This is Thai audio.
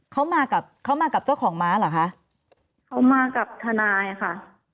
เขามากับเขามากับเจ้าของม้าเหรอคะเขามากับทนายอ่ะค่ะ